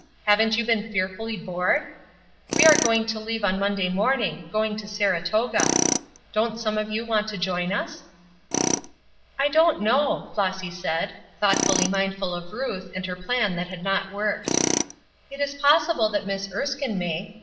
Haven't you been fearfully bored? We are going to leave on Monday morning going to Saratoga. Don't some of you want to join us? "I don't know," Flossy said, thoughtfully mindful of Ruth and her plan that had not worked. "It is possible that Miss Erskine may.